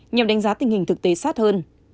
nhằm đánh giá tình hình thực tế sát hơn